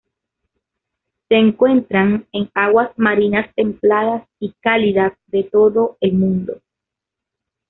Se encuentran en aguas marinas templadas y cálidas de todo el mundo.